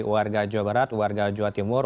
warga jawa barat warga jawa timur